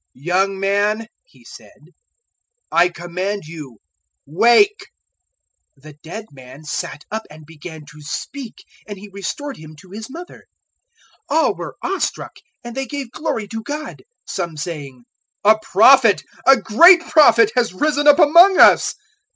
"Young man," He said, "I command you, wake!" 007:015 The dead man sat up and began to speak; and He restored him to his mother. 007:016 All were awe struck, and they gave glory to God some saying, "A Prophet, a great Prophet, has risen up among us."